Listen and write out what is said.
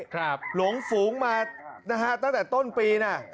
หลงฝูงมานะฮะตั้งแต่ต้นปีน่ะ